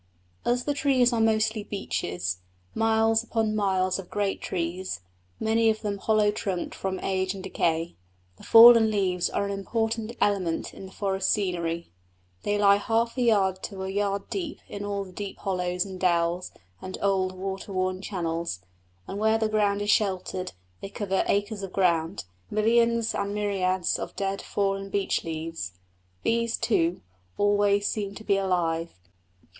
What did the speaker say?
As the trees are mostly beeches miles upon miles of great trees, many of them hollow trunked from age and decay the fallen leaves are an important element in the forest scenery. They lie half a yard to a yard deep in all the deep hollows and dells and old water worn channels, and where the ground is sheltered they cover acres of ground millions and myriads of dead, fallen beech leaves. These, too, always seem to be alive.